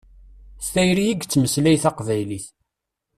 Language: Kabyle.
S tayri i yettmeslay taqbaylit.